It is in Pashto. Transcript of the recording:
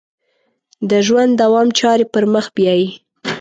د ژوند دوام چارې پر مخ بیایي.